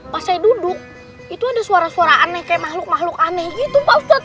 pas saya duduk itu ada suara suara aneh kayak makhluk makhluk aneh gitu pak ustadz